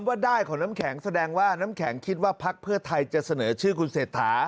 ว่าได้ของน้ำแข็งแสดงว่าน้ำแข็งคิดว่าพักเพื่อไทยจะเสนอชื่อคุณเศรษฐา